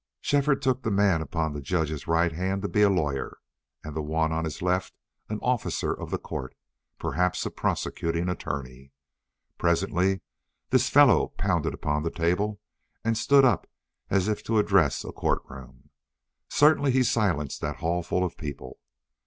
Shefford took the man upon the judge's right hand to be a lawyer, and the one on his left an officer of court, perhaps a prosecuting attorney. Presently this fellow pounded upon the table and stood up as if to address a court room. Certainly he silenced that hallful of people.